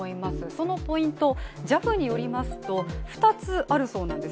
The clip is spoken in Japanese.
そのポイント、ＪＡＦによりますと２つあるそうなんです。